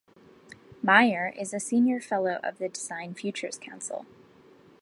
Meier is a Senior Fellow of the Design Futures Council.